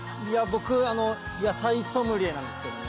僕あの野菜ソムリエなんですけども。